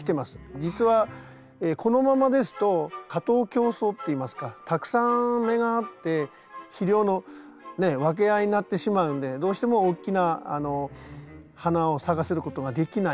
実はこのままですと過当競争っていいますかたくさん芽があって肥料の分け合いになってしまうんでどうしても大きな花を咲かせることができないんで。